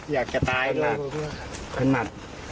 อยากจะตายด้วยผมคือว่า